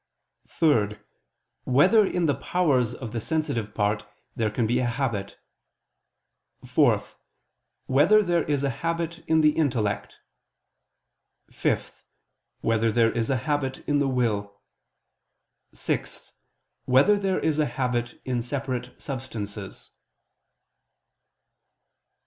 (3) Whether in the powers of the sensitive part there can be a habit? (4) Whether there is a habit in the intellect? (5) Whether there is a habit in the will? (6) Whether there is a habit in separate substances?